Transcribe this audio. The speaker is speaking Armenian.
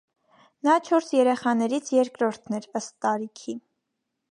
Նա չորս երեխաներից երկրորդն էր՝ ըստ տարիքի։